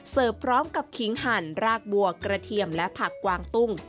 พร้อมกับขิงหั่นรากบัวกระเทียมและผักกวางตุ้ง